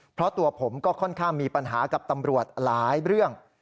เพราะตัวผมก็ค่อนข้างมีปัญหากับตำรวจหลายเรื่อง